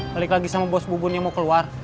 balik lagi sama bos bubunnya mau keluar